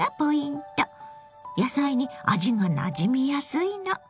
野菜に味がなじみやすいの。